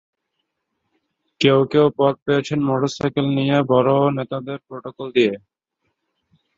কেউ কেউ পদ পেয়েছেন মোটরসাইকেল নিয়ে বড় নেতাদের প্রটোকল দিয়ে।